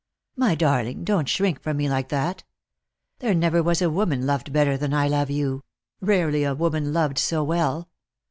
My darling, don't shrink from me like that. There never was a woman loved better than I love you — rarely a woman loved so well.